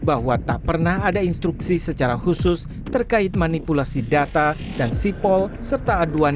bahwa tak pernah ada instruksi secara khusus terkait manipulasi data dan sipol serta aduan